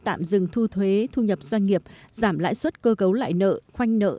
tạm dừng thu thuế thu nhập doanh nghiệp giảm lãi suất cơ cấu lại nợ khoanh nợ